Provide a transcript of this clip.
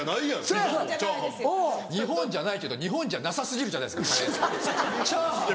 日本じゃないけど日本じゃなさ過ぎるじゃないですかカレーってチャーハンは。